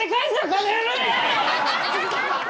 この野郎！